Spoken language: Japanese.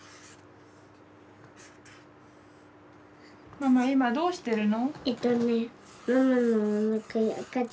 ママ今どうしてるの？